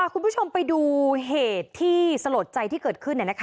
คุณผู้ชมไปดูเหตุที่สลดใจที่เกิดขึ้น